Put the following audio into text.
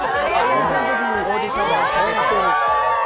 オーディション。